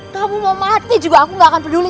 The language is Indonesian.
kamu mau mati juga aku gak akan peduli